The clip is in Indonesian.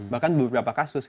bahkan beberapa kasus